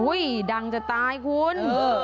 อุ้ยดังจะตายคุณ